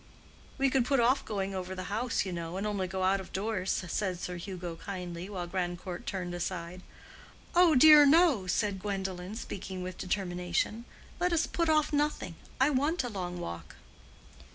"We could put off going over the house, you know, and only go out of doors," said Sir Hugo, kindly, while Grandcourt turned aside. "Oh, dear no!" said Gwendolen, speaking with determination; "let us put off nothing. I want a long walk."